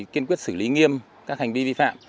kiên quyết xử lý nghiêm các hành vi vi phạm